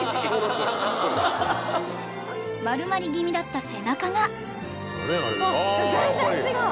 丸まり気味だった背中があっ全然違う！